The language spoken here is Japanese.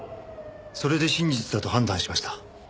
それで真実だと判断しました。